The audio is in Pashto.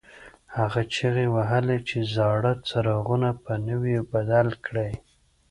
هغه چیغې وهلې چې زاړه څراغونه په نویو بدل کړئ.